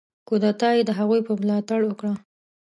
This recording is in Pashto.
کودتا یې د هغوی په ملاتړ وکړه.